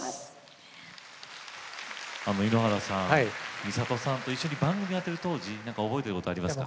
井ノ原さん美里さんと一緒に番組をされている当時覚えていることありますか。